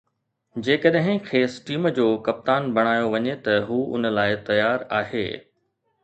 جيڪڏهن کيس ٽيم جو ڪپتان بڻايو وڃي ته هو ان لاءِ تيار آهي